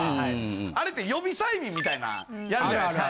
あれって予備催眠みたいなんやるじゃないですか。